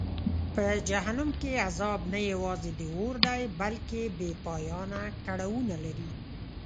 په جهنم کې عذاب نه یوازې د اور دی بلکه بېپایانه کړاوونه لري.